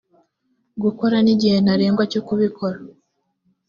gukora n igihe ntarengwa cyo kubikora